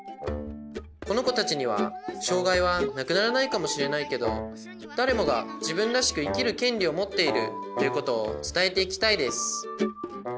このこたちにはしょうがいはなくならないかもしれないけど「だれもがじぶんらしくいきるけんりをもっている」ということをつたえていきたいです